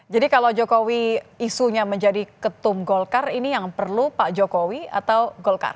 jadi kalau jokowi isunya menjadi ketum golkar ini yang perlu pak jokowi atau golkar